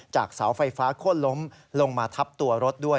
เสาไฟฟ้าโค้นล้มลงมาทับตัวรถด้วย